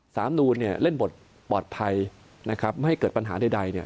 สามนูนเนี่ยเล่นบทปลอดภัยนะครับไม่ให้เกิดปัญหาใดเนี่ย